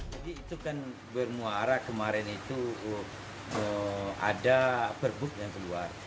jadi itu kan bermuara kemarin itu ada perbuk yang keluar